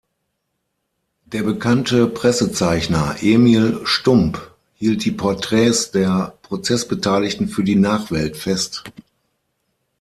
Der bekannte Pressezeichner Emil Stumpp hielt die Porträts der Prozessbeteiligten für die Nachwelt fest.